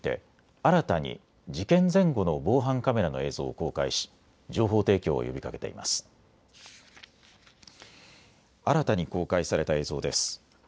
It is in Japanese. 新たに公開された映像です。